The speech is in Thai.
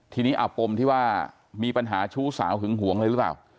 ทีนี้เอาปมที่ว่ามีปัญหาชู้สาวหึงหวงเลยหรือเปล่า